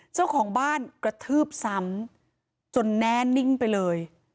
เจ้าของบ้านกระทืบซ้ำจนแน่นิ่งไปเลย